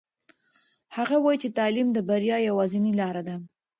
هغه وایي چې تعلیم د بریا یوازینۍ لاره ده.